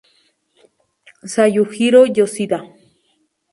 Yasuhiro Yoshida